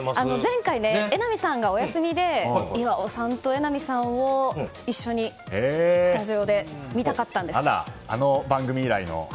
前回、榎並さんがお休みで岩尾さんと榎並さんを一緒にスタジオであの番組以来の。